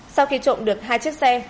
sau khi trụng được hai chiếc xe